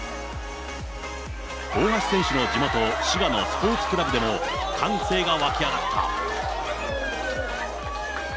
大橋選手の地元、滋賀のスポーツクラブでも、歓声が沸き上がった。